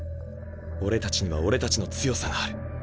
俺たちには俺たちの強さがある。